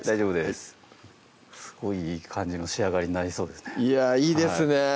すごいいい感じの仕上がりになりそうですねいやいいですね